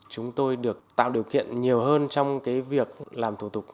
chúng tôi được tạo điều kiện nhiều hơn trong việc làm thủ tục